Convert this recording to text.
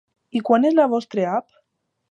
I quina és la vostre app?